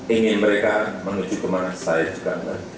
ingin mereka menuju kemana saya juga